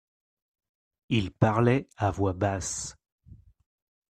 Ils parlaient à voix basse.